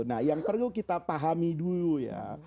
nah yang perlu kita pahami dulu ya